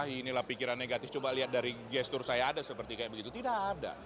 inilah pikiran negatif coba lihat dari gestur saya ada seperti kayak begitu tidak ada